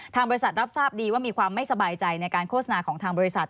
บริษัทรับทราบดีว่ามีความไม่สบายใจในการโฆษณาของทางบริษัท